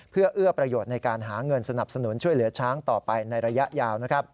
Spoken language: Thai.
เพื่อเอื้อประโยชน์ในการหาเงินสนับสนุนช่วยเหลือช้างต่อไปในระยะยาว